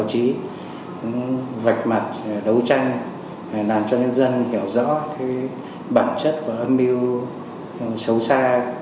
qua các tác phẩm báo chí vạch mặt đấu tranh làm cho nhân dân hiểu rõ bản chất và âm mưu xấu xa